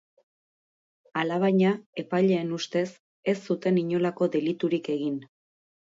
Alabaina, epaileen ustez, ez zuten inolako deliturik egin.